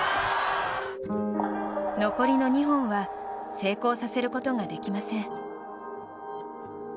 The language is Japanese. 残りの２本は成功させることができません。